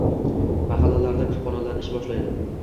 Mahallalarda kutubxonalar ish boshlaydi